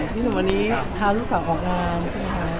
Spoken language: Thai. พี่หนุ่มวันนี้ท้าลูกศักดิ์ของการใช่ไหม